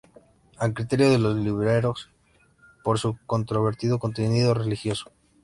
A criterio de los libreros; por su "controvertido contenido religioso".